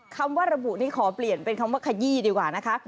คำว่าระบุนี่ขอเปลี่ยนเป็นคำว่าขยี้ดีกว่านะคะ